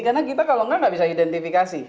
karena kita kalau enggak nggak bisa identifikasi